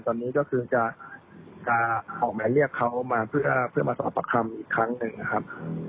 ตอนนี้ก็คือจะออกหมายเรียกเขามาเพื่อมาสอบประคำอีกครั้งหนึ่งนะครับ